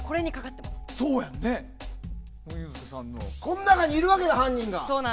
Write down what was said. この中にいるわけだ、犯人が。